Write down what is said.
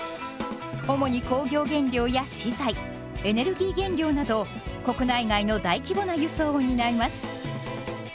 主に工業原料や資材エネルギー原料など国内外の大規模な輸送を担います。